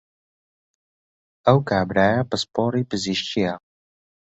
ئەو کابرایە پسپۆڕی پزیشکییە